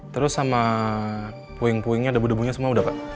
terus sama puing puingnya debu debunya semua udah pak